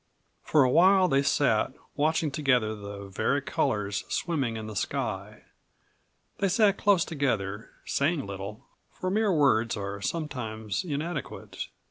For a while they sat, watching together the vari colors swimming in the sky. They sat close together, saying little, for mere words are sometimes inadequate.